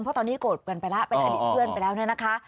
เพราะตอนนี้โกรธกันไปแล้วเป็นอดีตเพื่อนไปแล้วเนี่ยนะคะ